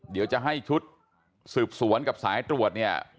เดี๋ยวจะให้ชุดสืบสวนกับสายตรวจเนี่ย